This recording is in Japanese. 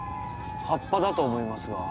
葉っぱだと思いますが。